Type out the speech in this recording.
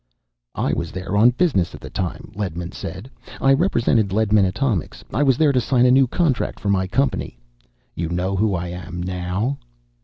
"I was there on business at the time," Ledman said. "I represented Ledman Atomics. I was there to sign a new contract for my company. You know who I am, now?"